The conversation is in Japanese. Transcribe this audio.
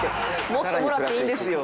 もっともらっていいんですよ。